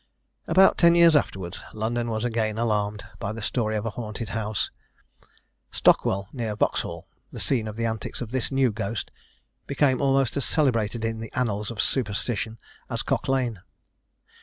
About ten years afterwards, London was again alarmed by the story of a haunted house. Stockwell, near Vauxhall, the scene of the antics of this new ghost, became almost as celebrated in the annals of superstition as Cock Lane.